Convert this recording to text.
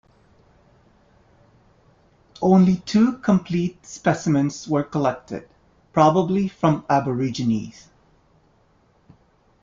Only two complete specimens were collected, probably from Aborigines.